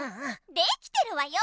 できてるわよ！